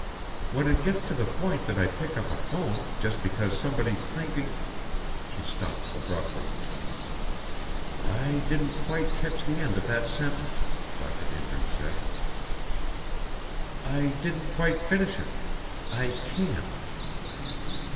When it gets to the point that I pick up a phone just because somebody's thinking...." She stopped abruptly. "I didn't quite catch the end of that sentence," Dr. Andrews said. "I didn't quite finish it. I can't."